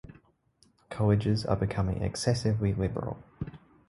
Colleges are becoming excessively liberal.